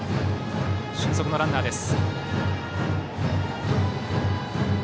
俊足のランナーです。